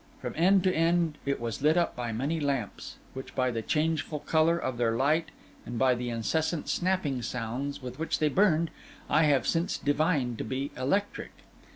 From end to end it was lit up by many lamps, which by the changeful colour of their light, and by the incessant snapping sounds with which they burned, I have since divined to be electric.